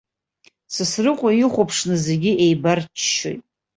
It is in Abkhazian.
Сасрыҟәа ихәаԥшны зегьы еибарччоит.